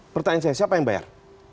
pertanyaan saya siapa yang bayar